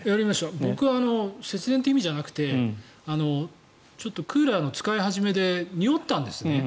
僕は節電という意味じゃなくてちょっとクーラーの使い始めでにおったんですよね。